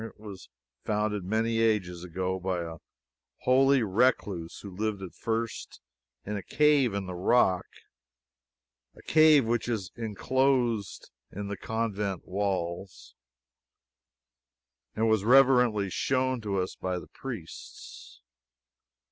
It was founded many ages ago by a holy recluse who lived at first in a cave in the rock a cave which is inclosed in the convent walls, now, and was reverently shown to us by the priests.